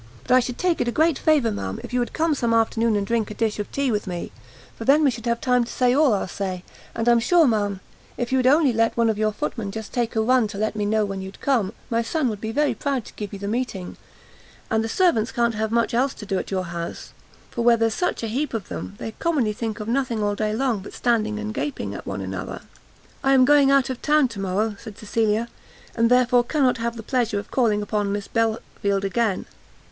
But I should take it as a great favour, ma'am, if you would come some afternoon and drink a dish of tea with me, for then we should have time to say all our say. And I'm sure, ma'am, if you would only let one of your footmen just take a run to let me know when you'd come, my son would be very proud to give you the meeting; and the servants can't have much else to do at your house, for where there's such a heap of 'em, they commonly think of nothing all day long but standing and gaping at one another." "I am going out of town to morrow," said Cecilia, "and therefore cannot have the pleasure of calling upon Miss Belfield again."